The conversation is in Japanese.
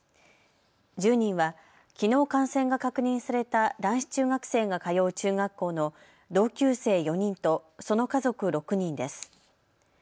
１０人はきのう感染が確認された男子中学生が通う中学校の同級生４人と、その家族６人です。